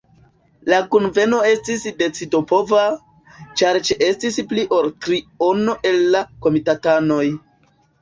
La kunveno estis decidopova, ĉar ĉeestis pli ol triono el la komitatanoj.